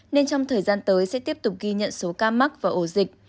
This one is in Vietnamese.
nên trong thời gian tới sẽ tiếp tục ghi nhận số ca mắc và ổ dịch